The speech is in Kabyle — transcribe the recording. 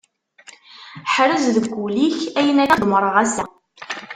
Ḥrez deg wul-ik ayen akka i k-d-umṛeɣ, ass-agi.